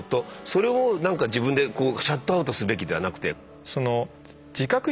それをなんか自分でシャットアウトすべきではなくて。